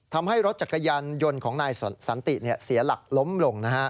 ทำให้รถจักรยานยนต์ของนายสันติเสียหลักล้มลง